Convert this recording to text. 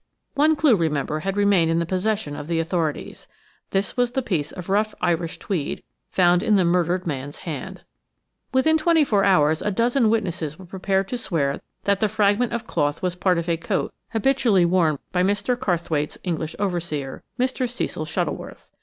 One clue, remember, had remained in the possession of the authorities. This was the piece of rough Irish tweed, found in the murdered man's hand. Within twenty four hours a dozen witnesses were prepared to swear that that fragment of cloth was part of a coat habitually worn by Mr. Carrthwaite's English overseer, Mr. Cecil Shuttleworth.